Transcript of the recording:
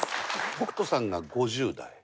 北斗さんが５０代。